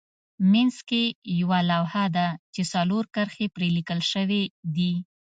منځ کې یوه لوحه ده چې څلور کرښې پرې لیکل شوې دي.